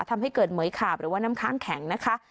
ทำให้เกิดเหมือยขาบหรือว่าน้ำค้างแข็งนะคะ